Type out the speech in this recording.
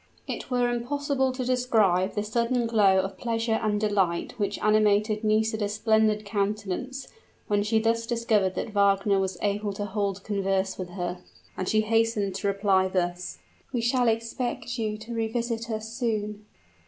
It were impossible to describe the sudden glow of pleasure and delight which animated Nisida's splendid countenance, when she thus discovered that Wagner was able to hold converse with her, and she hastened to reply thus: "We shall expect you to revisit us soon."